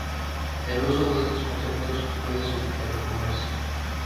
El uso de estos conceptos puede superponerse.